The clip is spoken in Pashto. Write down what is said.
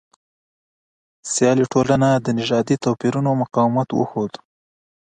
سیالي ټولنه د نژادي توپیرونو مقاومت وښود.